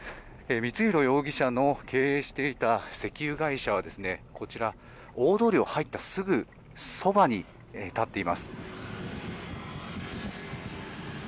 光弘容疑者の経営していた石油会社は大通りを入ったすぐそばに立っています。